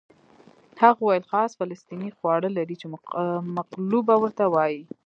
هغه وویل خاص فلسطیني خواړه لري چې مقلوبه ورته وایي.